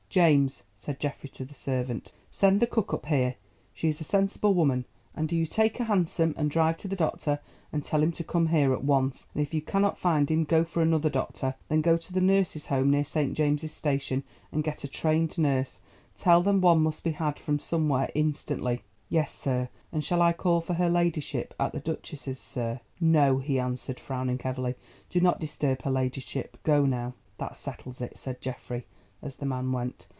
"James," said Geoffrey to the servant, "send the cook up here—she is a sensible woman; and do you take a hansom and drive to the doctor, and tell him to come here at once, and if you cannot find him go for another doctor. Then go to the Nurses' Home, near St. James' Station, and get a trained nurse—tell them one must be had from somewhere instantly." "Yes, sir. And shall I call for her ladyship at the duchess's, sir?" "No," he answered, frowning heavily, "do not disturb her ladyship. Go now." "That settles it," said Geoffrey, as the man went.